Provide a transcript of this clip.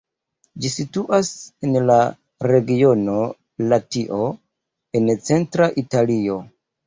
Ĝi situas en la regiono Latio en centra Italio.